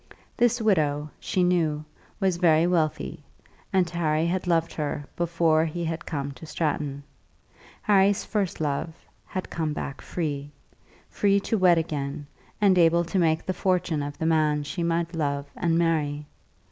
This widow, she knew, was very wealthy, and Harry had loved her before he had come to Stratton. Harry's first love had come back free, free to wed again, and able to make the fortune of the man she might love and marry.